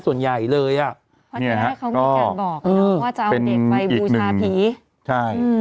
ส่วนใหญ่เลยอ่ะเพราะที่แรกเขามีการบอกเออว่าจะเอาเด็กไปบูชาภีใช่